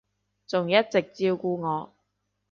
仲一直照顧我